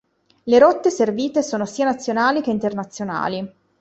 Le rotte servite sono sia nazionali che internazionali.